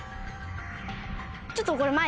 ちょっとこれ。